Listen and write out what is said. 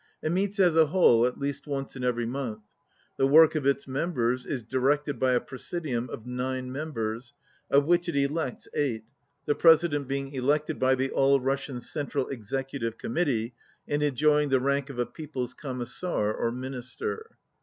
It meets as a whole at least once in every month. The work of its mem bers is directed by a Prsesidium of nine members, of which it elects eight, the President being elected by the All Russian Central Executive Commit tee, and enjoying the rank of a People's Commissar or Minister.